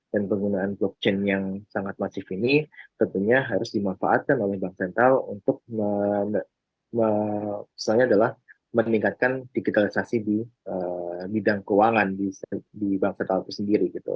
dan penggunaan blockchain yang sangat masif ini tentunya harus dimanfaatkan oleh bank central untuk misalnya adalah meningkatkan digitalisasi di bidang keuangan di bank central itu sendiri gitu